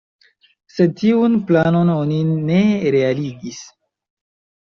Sed tiun planon oni ne realigis.